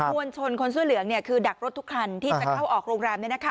มวลชนคนเสื้อเหลืองคือดักรถทุกคันที่จะเข้าออกโรงแรม